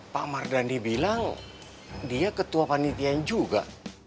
pak mardandi bilang dia ketua panitian juga